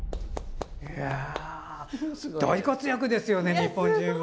大活躍ですよね日本人は。